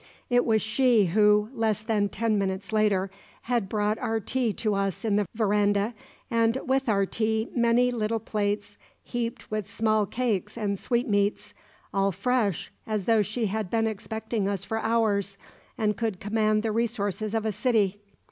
It was she who, less than ten minutes later, had brought our tea to us in the verandah, and with our tea many little plates heaped with small cakes and sweetmeats all fresh, as though she had been expecting us for hours, and could command the resources of a city.